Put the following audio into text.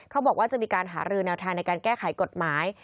เขาบอกว่าจะมีการหารือแนวทางในการแก้ไขกฎหมาย